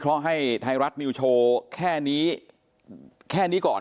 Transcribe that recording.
ก็ไม่ใช่ให้รัฐนิวโชว์แค่นี้ก่อน